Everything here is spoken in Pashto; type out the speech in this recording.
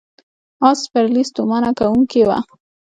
آس سپرلي ستومانه کوونکې وه.